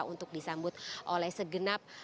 untuk disambut oleh segenap